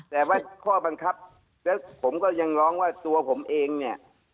แต่ว่าข้อบังคับแล้วผมก็ยังร้องว่าตัวผมเองเนี่ย